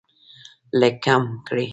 لږ کم کړئ